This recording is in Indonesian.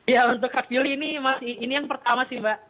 ya untuk hak pilih ini ini yang pertama sih mbak